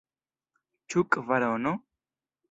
Ĉu kvarono?